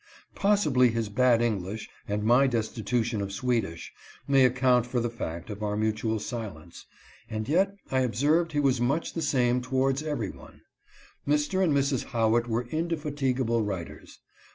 Possibly his bad English, and my destitution of Swedish, may account for the fact of our mutual silence, and yet I observed he was much the same towards every one. Mr. and Mrs. Howitt were indefatigable writers.